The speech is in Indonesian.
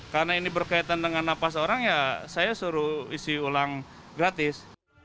karena ini berkaitan dengan napas orang ya saya suruh isi ulang gratis